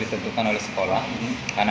di sekolah baru dikoneksi di sekolah baru